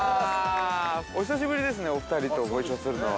お久しぶりですね、お二人とご一緒するのは。